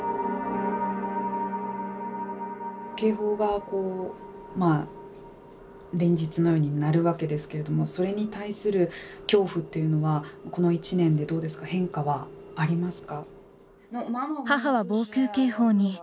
警報が連日のように鳴るわけですけれどもそれに対する恐怖というのはこの１年で変化はありますか。